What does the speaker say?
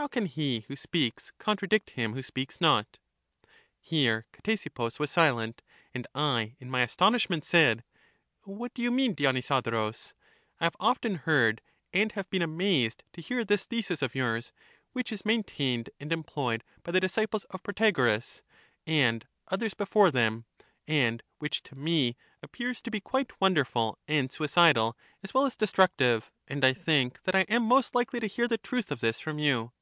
How can he who speaks contradict him who speaks not? Here Ctesippus was silent; and I in my astonish ment said: What do you mean, Dionysodorus? I have often heard, and have been amazed, to hear this thesis of yours, which is maintained and employed by the disciples of Protagoras, and others before them, and which to me appears to be quite wonderful and suicidal, as well as destructive, and I think that I am most likely to hear the truth of this from you.